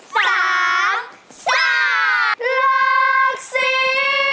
ลักษี